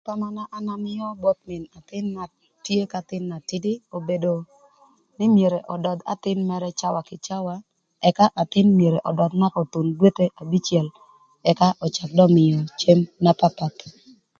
Thama na an amïö both mïn athïn na tïdï nï myero ödödh athïn mërë cawa kï cawa, ëka athïn myero ödöth naka othun dwethe abicël ëka dong öcak mïö cem na papath.